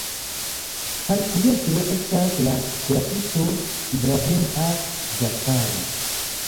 Partiestro estas la kuracisto Ibrahim al-Ĝafari.